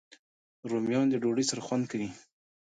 رومیان د ډوډۍ سره خوند کوي